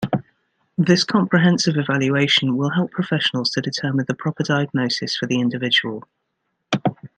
This comprehensive evaluation will help professionals to determine the proper diagnosis for the individual.